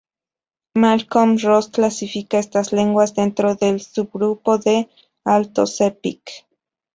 Malcolm Ross clasifica estas lenguas dentro del subgrupo del Alto Sepik.